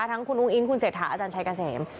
ทั้งคุณอุ้งอิงคุณเศรษฐาอาจารย์ชัยเกษม